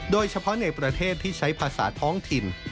โดยเฉพาะในประเทศที่ใช้ภาษาท้องถิ่น